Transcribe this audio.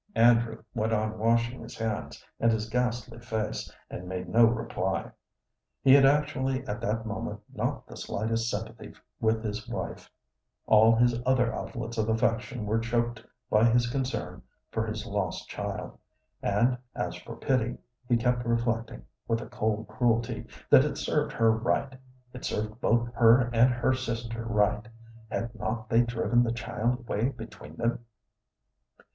Andrew went on washing his hands and his ghastly face, and made no reply. He had actually at that moment not the slightest sympathy with his wife. All his other outlets of affection were choked by his concern for his lost child; and as for pity, he kept reflecting, with a cold cruelty, that it served her right it served both her and her sister right. Had not they driven the child away between them?